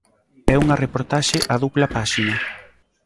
É unha reportaxe a dupla páxina.